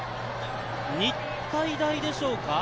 日体大でしょうか？